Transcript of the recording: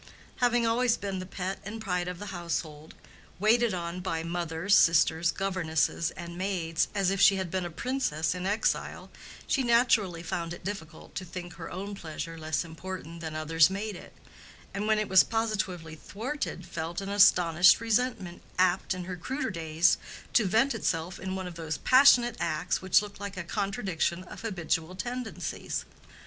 Having always been the pet and pride of the household, waited on by mother, sisters, governess and maids, as if she had been a princess in exile, she naturally found it difficult to think her own pleasure less important than others made it, and when it was positively thwarted felt an astonished resentment apt, in her cruder days, to vent itself in one of those passionate acts which look like a contradiction of habitual tendencies.